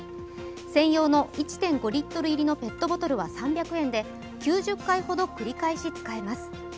専用の１．５リットル入りのペットボトルは３００円で９０回ほど繰り返し使えます。